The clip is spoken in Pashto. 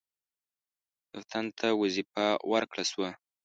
یو تن ته وظیفه ورکړه شوه.